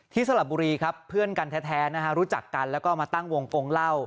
สลับบุรีครับเพื่อนกันแท้นะฮะรู้จักกันแล้วก็มาตั้งวงกงเล่า